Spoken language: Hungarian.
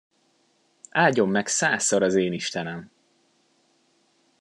Áldjon meg százszor az én istenem!